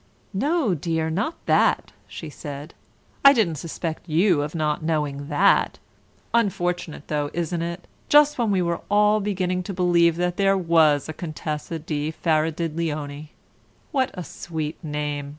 "No, dear, not that," she said. "I didn't suspect you of not knowing that. Unfortunate though, isn't it, just when we were all beginning to believe that there was a Contessa di Faradidleony! What a sweet name!